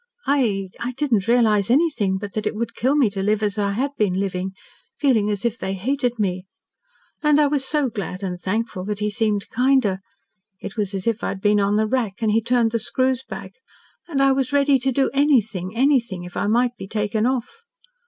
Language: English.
"I I didn't realise anything but that it would kill me to live as I had been living feeling as if they hated me. And I was so glad and thankful that he seemed kinder. It was as if I had been on the rack, and he turned the screws back, and I was ready to do anything anything if I might be taken off.